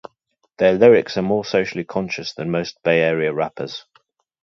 Their lyrics are more socially conscious than most Bay Area rappers.